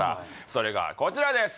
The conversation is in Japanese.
それがこちらです